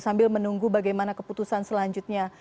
sambil menunggu bagaimana keputusan selanjutnya